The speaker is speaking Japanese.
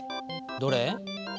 どれ？